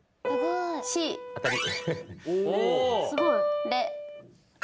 当たり。